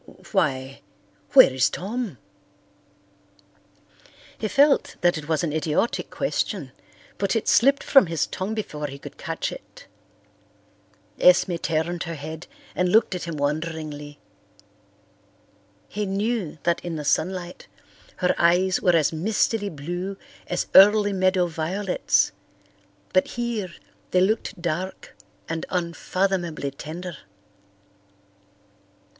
"Why, where is Tom?" He felt that it was an idiotic question, but it slipped from his tongue before he could catch it. Esme turned her head and looked at him wonderingly. He knew that in the sunlight her eyes were as mistily blue as early meadow violets, but here they looked dark and unfathomably tender.